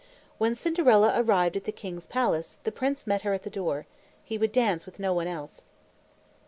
When Cinderella arrived at the king's palace, the prince met her at the door. He would dance with no one else.